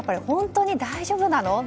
本当に大丈夫なの？